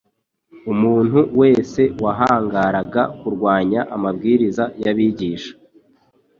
Umuntu wese wahangaraga kurwanya amabwiriza y’abigisha